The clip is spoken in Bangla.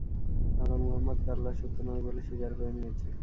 আমরা মুহাম্মাদকে আল্লাহর সত্য নবী বলে স্বীকার করে নিয়েছি।